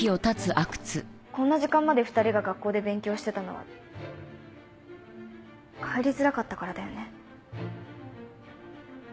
こんな時間まで２人が学校で勉強してたのは帰りづらかったからだよね？